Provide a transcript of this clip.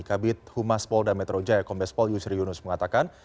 kabinet humas polda metro jaya kombes pol yusri yunus mengatakan